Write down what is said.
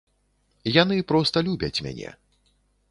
Яны проста любяць мяне.